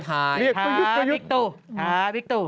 ทาบิกตูทาบิกตู